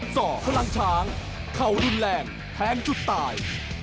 ่อพลังช้างเข่ารุนแรงแทงจุดตาย